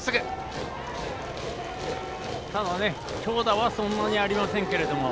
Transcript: ただ、強打はそんなにありませんけれども。